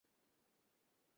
যতদূর যেতে পারি।